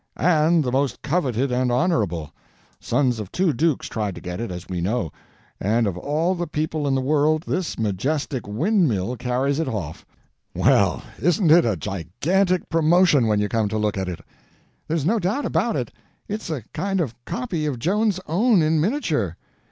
"And the most coveted and honorable. Sons of two dukes tried to get it, as we know. And of all people in the world, this majestic windmill carries it off. Well, isn't it a gigantic promotion, when you come to look at it!" "There's no doubt about it. It's a kind of copy of Joan's own in miniature."